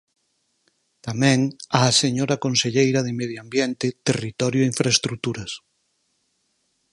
Tamén á señora conselleira de Medio Ambiente, Territorio e Infraestruturas.